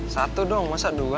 satu dong masa dua